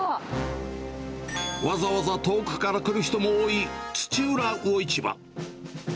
わざわざ遠くから来る人も多い、土浦魚市場。